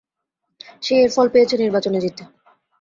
সে এর ফল পেয়েছে নির্বাচনে জিতে।